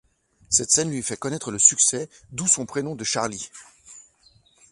Cette scène lui fait connaître le succès, d'où son prénom de Charlie.